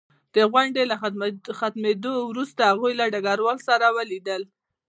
د غونډې له ختمېدو وروسته هغوی له ډګروال سره ولیدل